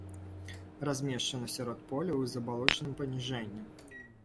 Размешчана сярод поля ў забалочаным паніжэнні.